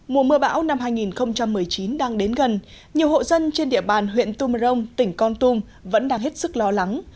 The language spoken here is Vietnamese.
mùa mưa bão năm hai nghìn một mươi chín đang đến gần nhiều hộ dân trên địa bàn huyện tumrong tỉnh con tum vẫn đang hết sức lo lắng